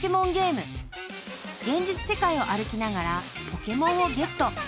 ［現実世界を歩きながらポケモンをゲット］